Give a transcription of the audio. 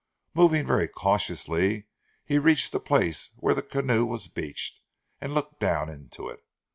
Moving very cautiously he reached the place where the canoe was beached, and looked down into it.